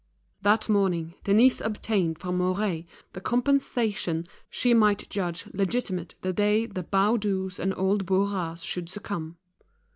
That morning Denise obtained from Mouret the compensation she might judge legitimate the day the Baudus and old Bourras should succumb.